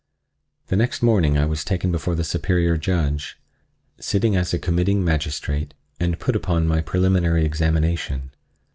The next morning I was taken before the Superior Judge, sitting as a committing magistrate, and put upon my preliminary examination.